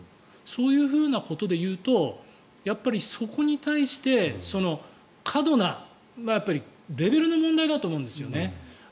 そういうふうなことでいうとやっぱりそこに対して過度な、やっぱりレベルの問題だと思うんですよね。